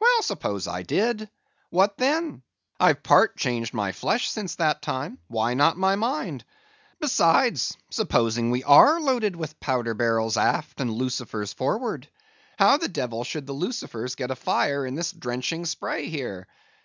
"Well, suppose I did? What then? I've part changed my flesh since that time, why not my mind? Besides, supposing we are loaded with powder barrels aft and lucifers forward; how the devil could the lucifers get afire in this drenching spray here?